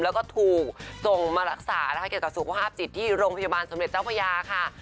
แล้วก็ถูกส่งมารักษานะคะเกี่ยวกับสุขภาพจิตที่โรงพยาบาลสมเด็จเจ้าพระยาค่ะ